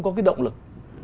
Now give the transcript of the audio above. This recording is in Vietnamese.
có cái động lực